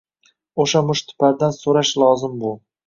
O’sha mushtipardan so’rash lozim bu —